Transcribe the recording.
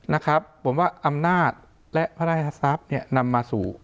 นะครับผมว่าอำนาจและพระราชทรัพย์เนี่ยนำมาสู่